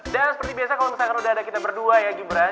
dan seperti biasa kalo misalkan udah ada kita berdua ya gibran